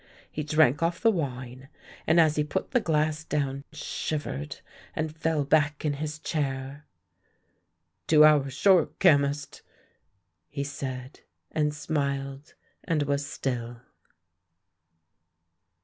He drank off the wine, and as he put the glass down shivered, and fell back in his chair. " Two hours short. Chemist !" he said, and smiled, and was Still.